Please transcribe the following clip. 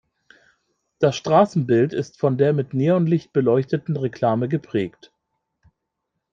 Das Straßenbild ist von der mit Neonlicht beleuchteten Reklame geprägt.